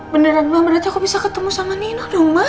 beneran mbak berarti aku bisa ketemu sama nino dong mbak